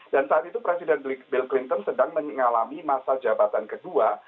saat itu presiden bill clinton sedang mengalami masa jabatan kedua